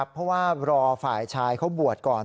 เพราะว่ารอฝ่ายชายเขาบวชก่อน